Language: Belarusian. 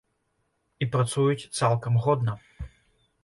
І працуюць цалкам годна.